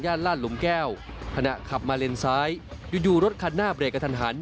ลาดหลุมแก้วขณะขับมาเลนซ้ายอยู่รถคันหน้าเบรกกระทันหัน